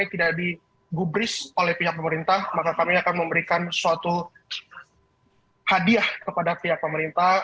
tidak digubris oleh pihak pemerintah maka kami akan memberikan suatu hadiah kepada pihak pemerintah